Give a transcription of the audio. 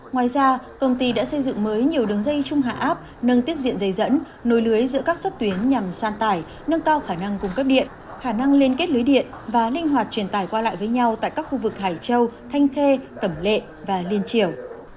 ngoài ra công ty đã xây dựng mới nhiều đường dây trung hạ áp nâng tiết diện dây dẫn nối lưới giữa các suất tuyến nhằm san tải nâng cao khả năng cung cấp điện khả năng liên kết lưới điện và linh hoạt truyền tải qua lại với nhau tại các khu vực hải châu thanh khê cẩm lệ và liên triều